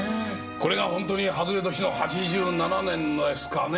これがホントに外れ年の８７年のですかね？